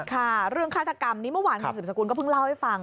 ค่ะเรื่องฆาตกรรมนี้เมื่อวานคุณสืบสกุลก็เพิ่งเล่าให้ฟัง